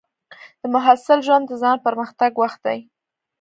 د محصل ژوند د ځان پرمختګ وخت دی.